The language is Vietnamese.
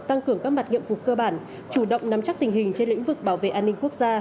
tăng cường các mặt nghiệp vụ cơ bản chủ động nắm chắc tình hình trên lĩnh vực bảo vệ an ninh quốc gia